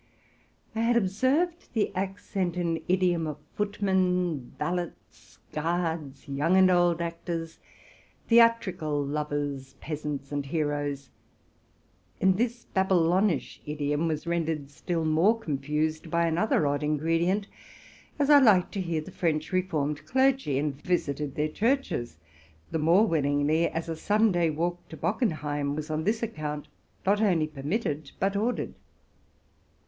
I had observed the accent and idiom of footmen, valets, guards, young and old actors, theatrical lovers, peasants, and heroes: and this Babylonish idiom was rendered still more confused by another odd ingredient ; as I liked to hear the French reformed clergy, and visited their churches the more willingly, as a Sunday walk to Bockenheim was on this account not only permitted but ordered.